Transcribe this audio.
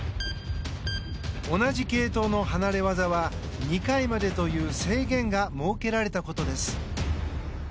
同じ系統の離れ技は２回までという制限が設けられたことです。